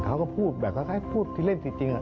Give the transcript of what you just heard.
เขาก็พูดแบบคล้ายพูดที่เล่นจริง